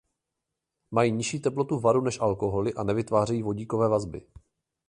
Mají nižší teplotu varu než alkoholy a nevytvářejí vodíkové vazby.